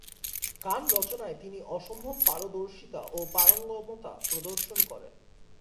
গান রচনায় তিনি অসম্ভব পারদর্শিতা ও পারঙ্গমতা প্রদর্শন করেন।